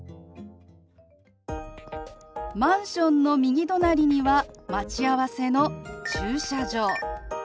マンションの右隣には待ち合わせの駐車場。